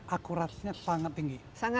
akurasinya sangat tinggi